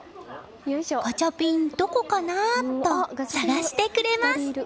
ガチャピンどこかな？と探してくれます。